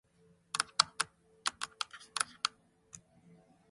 北海道倶知安町